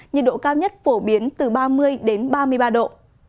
nhiệt độ cao nhất phổ biến từ ba mươi ba mươi ba độ